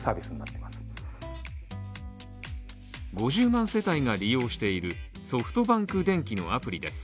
５０万世帯が利用しているソフトバンクでんきのアプリです。